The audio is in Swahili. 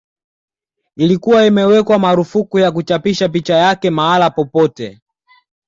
Ilikuwa imewekwa marufuku ya kuchapisha picha yake mahala popote